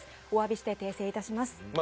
おわびして訂正いたします。